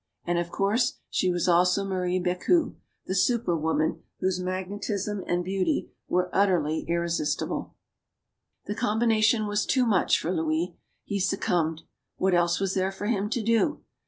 And, of course, she was also Marie 188 STORIES OF THE SUPER WOMEN Becu, the super woman whose magnetism and beauty were utterly irresistible. The combination was too much for Louis. He suc cumbed. What else was there for him to do?